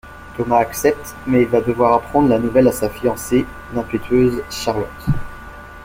Thomas accepte, mais il va devoir apprendre la nouvelle à sa fiancée, l'impétueuse Charlotte.